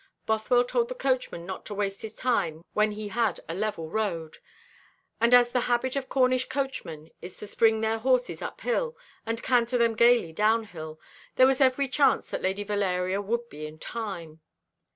Bothwell told the coachman not to waste his time when he had a level road; and as the habit of Cornish coachmen is to spring their horses up hill and canter them gaily down hill, there was every chance that Lady Valeria would be in time.